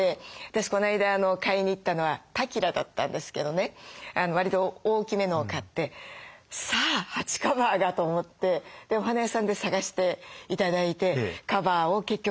私この間買いに行ったのはパキラだったんですけどね割と大きめのを買ってさあ鉢カバーがと思ってお花屋さんで探して頂いてカバーを結局買ったんですけど。